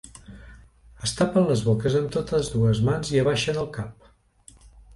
Es tapen les boques amb totes dues mans i abaixen el cap.